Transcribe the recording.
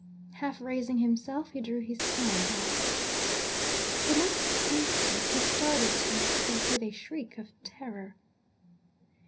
Half raising himself, he drew his hand out. The next instant, he started to his feet with a shriek of terror.